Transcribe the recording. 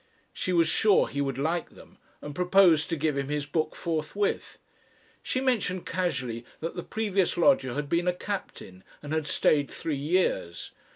She was sure he would like them, and proposed to give him his book forthwith. She mentioned casually that the previous lodger had been a captain and had stayed three years.